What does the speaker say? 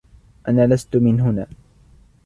أنا لست من هنا.